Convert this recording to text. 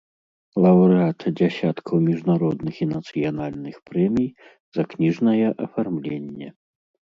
Лаўрэат дзясяткаў міжнародных і нацыянальных прэмій за кніжнае афармленне.